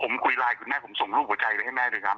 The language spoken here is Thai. ผมคุยไลน์ผมส่งรูปหัวใจไปให้แม่หน่อยครับ